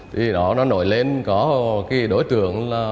thì nó nổi lên có đối tượng là